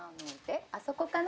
あそこかな？